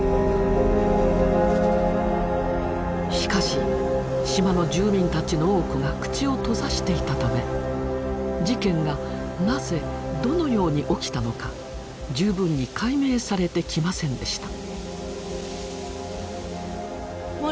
しかし島の住民たちの多くが口を閉ざしていたため事件がなぜどのように起きたのか十分に解明されてきませんでした。